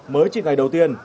mới chỉ ngày đầu tiên